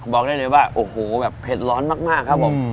บอกได้เลยว่าโอ้โหแบบเผ็ดร้อนมากครับผม